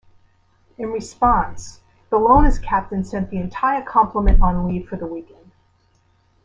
In response, "Bellona"s captain sent the entire complement on leave for the weekend.